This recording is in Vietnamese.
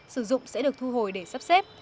sử dụng sẽ được thu hồi để sắp xếp